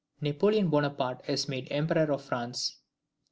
Napoleon Bonaparte is made Emperor of France.